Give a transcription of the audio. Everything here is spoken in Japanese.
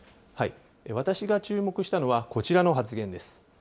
私が注目したのは、こちらの発言です。